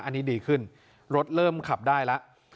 อันนี้ดีขึ้นรถเริ่มขับได้แล้ว